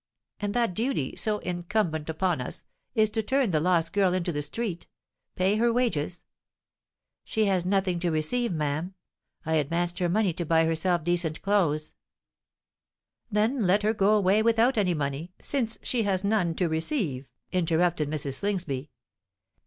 And that duty, so incumbent upon us, is to turn the lost girl into the street. Pay her the wages——" "She has nothing to receive, ma'am. I advanced her money to buy herself decent clothes——" "Then let her go away without any money—since she has none to receive," interrupted Mrs. Slingsby.